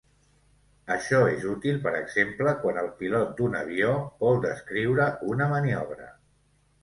Això és útil per exemple quan el pilot d'un avió vol descriure una maniobra.